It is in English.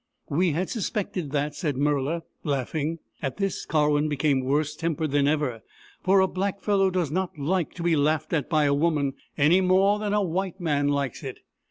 " We had suspected that," said Murla, laugh ing. At this Karwin became worse tempered than ever, for a blackfellow does not like to be laughed at by a woman, any more than a white man likes it.